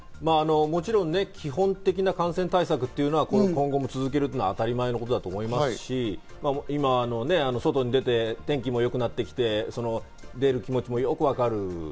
もちろん基本的な感染対策というのは今後も続けるというのは当たり前のことだと思いますし、今、外に出て天気もよくなってきて外に出る気持ちもよくわかる。